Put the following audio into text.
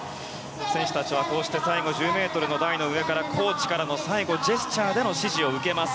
選手たちはこうして最後１０ｍの台の上からコーチからの最後ジェスチャーでの指示を受けます。